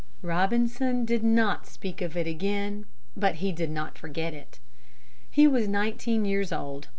Robinson did not speak of it again, but he did not forget it. He was nineteen years old.